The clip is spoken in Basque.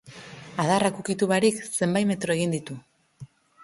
Adarrak ukitu barik zenbait metro egin ditu.